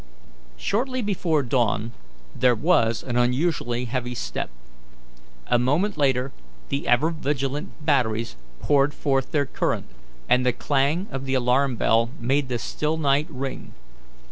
Shortly before dawn there was an unusually heavy step. A moment later the ever vigilant batteries poured forth their current, and the clang of the alarm bell made the still night ring.